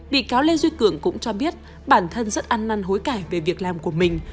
bị cáo lê duy cường cũng cho biết bản thân rất ăn năn hối cải về việc làm của mình